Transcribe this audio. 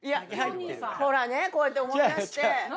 ほらねこうやって思い出して。